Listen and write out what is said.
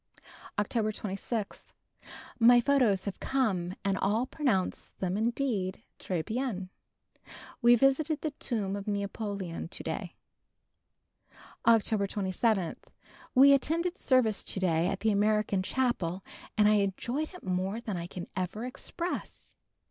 October 26. My photographs have come and all pronounce them indeed "très bien." We visited the Tomb of Napoleon to day. October 27. We attended service to day at the American Chapel and I enjoyed it more than I can ever express.